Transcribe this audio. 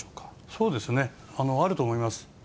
そうですね、あると思います。